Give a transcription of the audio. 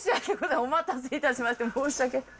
お待たせいたしまして、申し訳ございません。